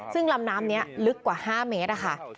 ซึ่งลำน้ำนี้ลึกกว่า๕เมตรค่ะ